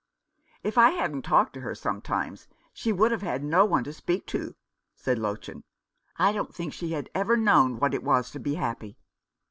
" If I hadn't talked to her sometimes, she would have had no one to speak to," said Lottchen. " I don't think she had ever known what it was to be happy.